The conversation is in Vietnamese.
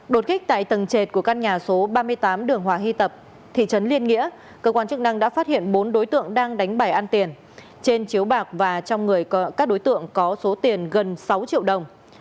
đột kích tại tầng trệt của căn nhà số ba mươi tám đường hòa hy tập thị trấn liên nghĩa cơ quan chức năng đã phát hiện bốn đối tượng đang đánh bài ăn tiền trên chiếu bạc và trong người các đối tượng có số tiền gần sáu triệu đồng